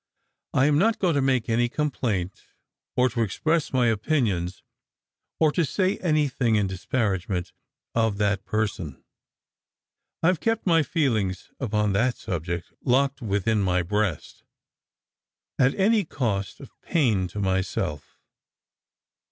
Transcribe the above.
I am not going to make any complaint, or to express my opinions, or to say anythiag in disparagement of that person. I have kept my feelings upon that subject locked within my breast, at any cost of pain to myself.